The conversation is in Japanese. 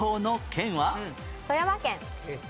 富山県。